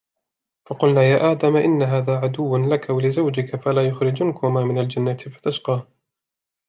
فقلنا يا آدم إن هذا عدو لك ولزوجك فلا يخرجنكما من الجنة فتشقى